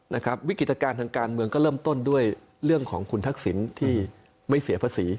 วิกฤตการณ์ทางการเมืองก็เริ่มต้นด้วยเรื่องของคุณทักษิณที่ไม่เสียภาษี